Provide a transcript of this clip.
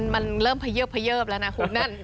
มันเริ่มเผยิบเยิบแล้วนะคุณนั่น